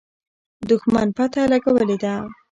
دښمن پته لګولې ده.